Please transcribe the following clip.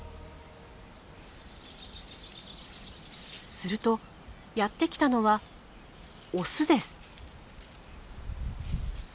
するとやって来たのはオスです。